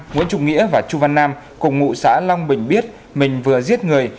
nguyễn trung nghĩa và chu văn nam cùng ngụ xã long bình biết mình vừa giết người